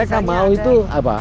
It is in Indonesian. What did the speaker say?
mereka mau itu apa